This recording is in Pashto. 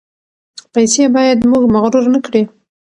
پیسې باید موږ مغرور نکړي.